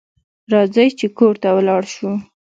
راځئ چې کور ته ولاړ شو